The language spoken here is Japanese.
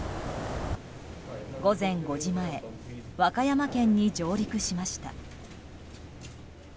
午前５時前和歌山県に上陸しました。